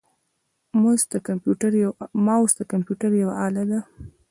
موس د کمپیوټر یوه اله ده.